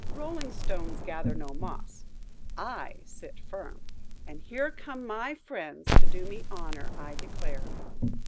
Rolling stones gather no moss. I sit firm. And here come my friends to do me honour, I declare!"